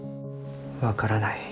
わからない。